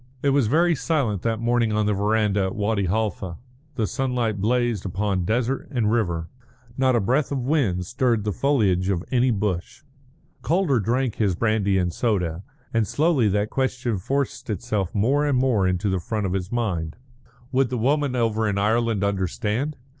It was very silent that morning on the verandah at Wadi Halfa; the sunlight blazed upon desert and river; not a breath of wind stirred the foliage of any bush. Calder drank his brandy and soda, and slowly that question forced itself more and more into the front of his mind. Would the woman over in Ireland understand?